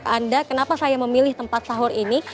anda kenapa saya memilih tempat sahur ini